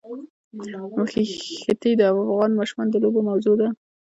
ښتې د افغان ماشومانو د لوبو موضوع ده.